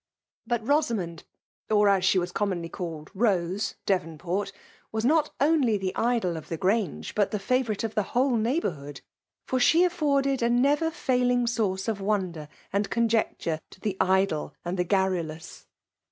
But Rosamond, or as she was commonly called. Rose Devonport, was not only the idol of the Grange, but the favourite of the whole neighbourhood ; for she afforded a never fail ing source of wonder and conjecture to the idle and the garrulous.